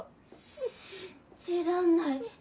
信じらんない。